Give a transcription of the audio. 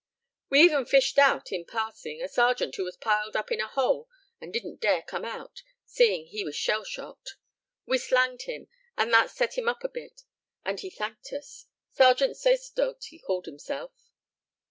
"We even fished out, in passing, a sergeant who was piled up in a hole and didn't dare come out, seeing he was shell shocked. We slanged him, and that set him up a bit, and he thanked us. Sergeant Sacerdote he called himself."